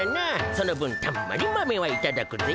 その分たんまり豆はいただくぜ。